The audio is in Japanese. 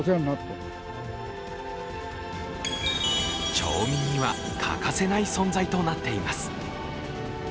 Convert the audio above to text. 町民には欠かせない存在となっています。